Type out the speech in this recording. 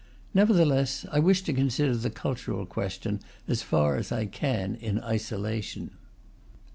Nevertheless, I wish to consider the cultural question as far as I can in isolation.